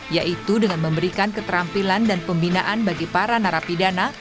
yaitu dengan memberikan keterampilan dan pembinaan bagi para narapidana